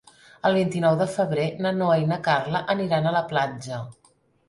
El vint-i-nou de febrer na Noa i na Carla aniran a la platja.